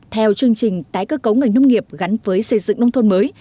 theo chương trình tái cơ cấu ngành nông nghiệp gắn với xây dựng nông thôn mới